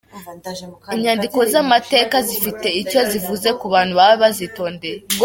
Inyandiko z’amateka zifite icyo zivuze ku bantu baba bazitondeye.